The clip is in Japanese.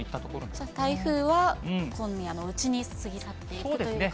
じゃあ、台風は今夜のうちに過ぎ去っていくという感じですかね。